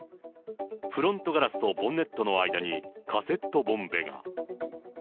フロントガラスとボンネットの間にカセットボンベが。